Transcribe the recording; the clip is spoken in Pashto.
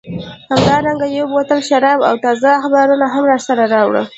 همدارنګه یو بوتل شراب او تازه اخبارونه هم راسره راوړه.